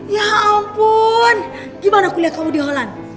ya ampun gimana aku lihat kamu di holland